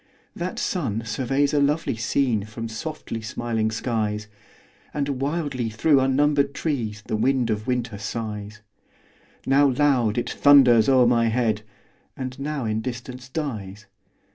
That sun surveys a lovely scene From softly smiling skies; And wildly through unnumbered trees The wind of winter sighs: Now loud, it thunders o'er my head, And now in distance dies.